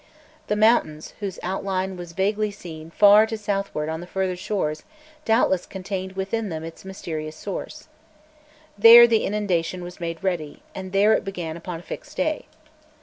The mountains, whose outline was vaguely seen far to southward on the further shores, doubtless contained within them its mysterious source. There the inundation was made ready, and there it began upon a fixed day.